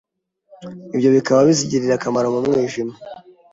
ibyo bikaba bizigirira akamaro mu mwijima.